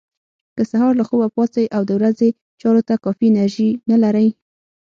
که سهار له خوبه پاڅئ او د ورځې چارو ته کافي انرژي نه لرئ.